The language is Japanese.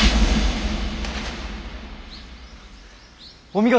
お見事！